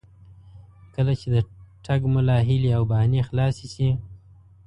کله چې د ټګ ملا هیلې او بهانې خلاصې شي.